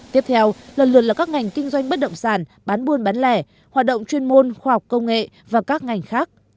tiếp theo lần lượt là các ngành kinh doanh bất động sản bán buôn bán lẻ hoạt động chuyên môn khoa học công nghệ và các ngành khác